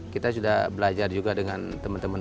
kita sudah belajar juga dengan teman teman